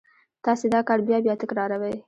تاسې دا کار بیا بیا تکراروئ